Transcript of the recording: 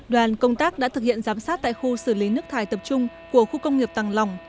đoàn công tác đã thực hiện giám sát tại khu xử lý nước thải tập trung của khu công nghiệp tàng lỏng